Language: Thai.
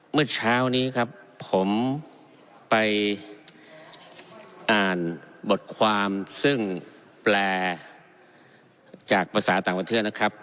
เมื่อเช้านี้ครับผมไปอ่านบทความซึ่งแปลจากภาษาต่างประเทศนะครับ